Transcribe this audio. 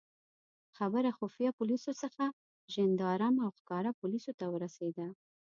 خبره خفیه پولیسو څخه ژندارم او ښکاره پولیسو ته ورسېده.